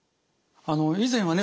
以前はね